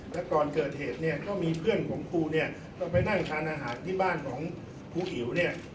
แล้วก่อนเกิดเหตุเนี่ยก็มีเพื่อนของครูเนี่ยก็ไปนั่งทานอาหารที่บ้านของครูอิ๋วเนี่ย